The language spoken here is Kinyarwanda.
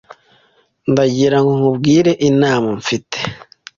Ndagira ngo nkubwire inama mfite